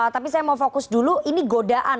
tapi saya mau fokus dulu ini godaan